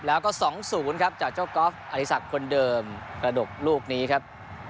แล้วก็๒๐ครับจากเจ้ากอล์ฟอริสักคนเดิมระดกลูกนี้ครับ